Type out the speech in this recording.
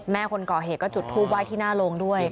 คนก่อเหตุก็จุดทูปไห้ที่หน้าโรงด้วย